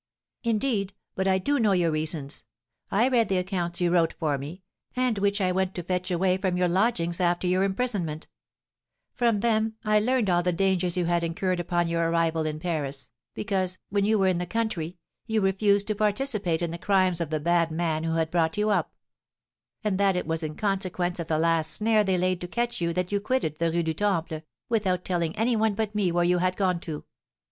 "Indeed, but I do know your reasons! I read the accounts you wrote for me, and which I went to fetch away from your lodgings after your imprisonment; from them I learned all the dangers you had incurred upon your arrival in Paris, because, when you were in the country, you refused to participate in the crimes of the bad man who had brought you up; and that it was in consequence of the last snare they laid to catch you that you quitted the Rue du Temple, without telling any one but me where you had gone to.